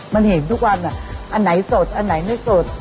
มันเห็นทุกวันอันไหนสดอันไหนไม่สด